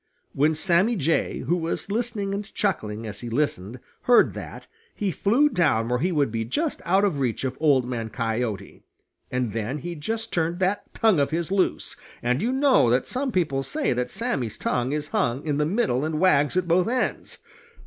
When Sammy Jay, who was listening and chuckling as he listened, heard that, he flew down where he would be just out of reach of Old Man Coyote, and then he just turned that tongue of his loose, and you know that some people say that Sammy's tongue is hung in the middle and wags at both ends.